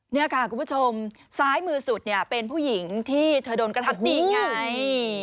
นี่ค่ะคุณผู้ชมซ้ายมือสุดเนี่ยเป็นผู้หญิงที่เธอโดนกระทำดีไง